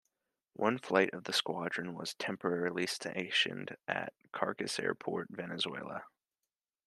One flight of the squadron was temporarily stationed at Caracas Airport, Venezuela.